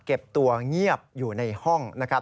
เก็บตัวเงียบอยู่ในห้องนะครับ